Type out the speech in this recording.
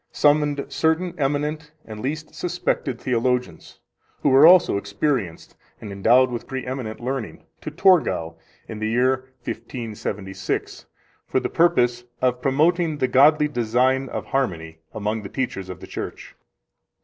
summoned certain eminent and least suspected theologians, who were also experienced and endowed with preeminent learning, to Torgau in the year 1576, for the purpose of promoting the godly design of harmony among the teachers of the Church.